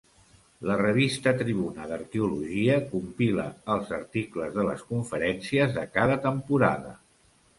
La revista Tribuna d'Arqueologia compila els articles de les conferències de cada temporada.